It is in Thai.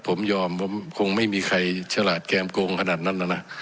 ผมยอมผมคงไม่มีใครฉลาดแก้มโกงขนาดนั้นนะ